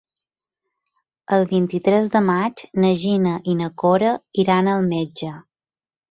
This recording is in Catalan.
El vint-i-tres de maig na Gina i na Cora iran al metge.